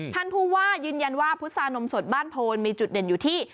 ท่านผู้ว่ายืนยันว่าพุษานมสดบ้านโพนมีจุดเด่นอยู่ที่